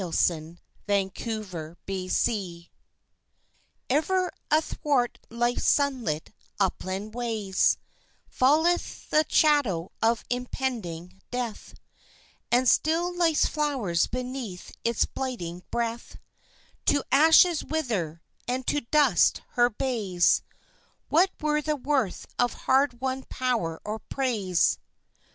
Love and Death Ever athwart Life's sunlit, upland ways Falleth the shadow of impending Death, And still Life's flowers beneath his blighting breath To ashes wither, and to dust, her bays. What were the worth of hard won power or praise?